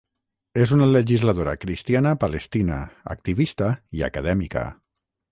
És una legisladora cristiana palestina, activista i acadèmica.